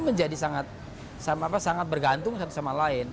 menjadi sangat bergantung satu sama lain